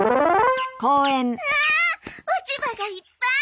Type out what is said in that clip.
わあ落ち葉がいっぱい！